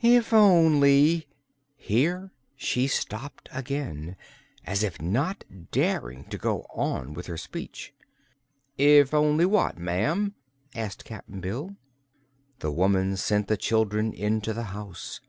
"If only " here she stopped again, as if not daring to go on with her speech. "If only what, ma'am?" asked Cap'n Bill. The woman sent the children into the house.